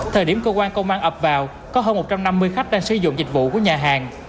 thời điểm cơ quan công an ập vào có hơn một trăm năm mươi khách đang sử dụng dịch vụ của nhà hàng